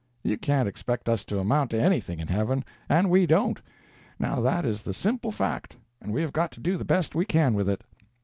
You can't expect us to amount to anything in heaven, and we don't—now that is the simple fact, and we have got to do the best we can with it.